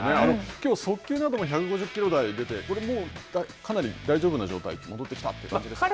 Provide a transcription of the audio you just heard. きょう速球なども１５０キロ台が出て、これもう、かなり大丈夫な状態、戻ってきたという感じですか。